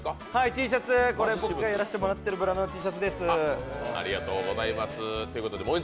Ｔシャツ、これ僕がやらせてもらってるブランドのものです。